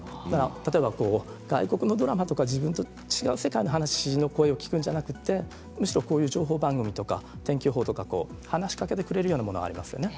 例えば、外国のドラマとか自分と違う世界の話の声を聞くのではなくてむしろこういう情報番組とか天気予報とか話しかけてくれるようなものがありますね。